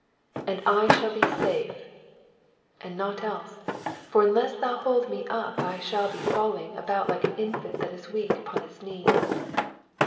^^And I shall "be safe,"*^ and not else ; for unless thou hold me up I shall be falling about like an infant that is weak upon its knees.